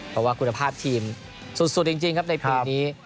เพราะว่าคุณภาพทีมสุดจริงครับในปีนี้